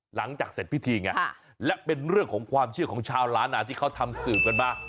หลังจากเสร็จพิธีไงและเป็นเรื่องของความเชื่อของชาวล้านนาที่เขาทำสืบกันมา